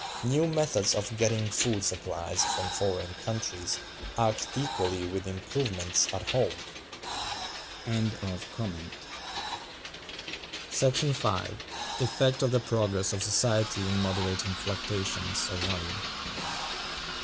New methods of getting food supplies from foreign countries act equally with improvements at home. § 5. Effect of the Progress of Society in moderating fluctuations of Value.